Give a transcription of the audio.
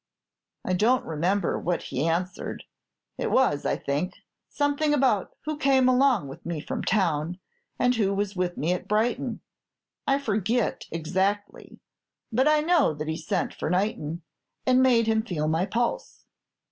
I don't remember what he answered. It was, I think, something about who came along with me from town, and who was with me at Brighton, I forget exactly; but I know that he sent for Knighton, and made him feel my pulse.